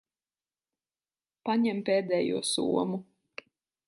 Paņem pēdējo somu.